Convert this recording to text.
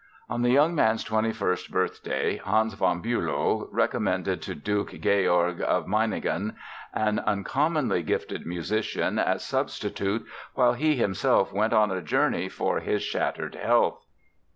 On the young man's twenty first birthday Hans von Bülow recommended to Duke George of Meiningen "an uncommonly gifted" musician as substitute while he himself went on a journey for his shattered health.